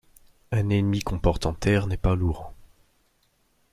Un ennemi qu’on porte en terre n’est pas lourd.